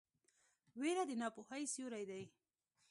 ویره د ناپوهۍ سیوری دی.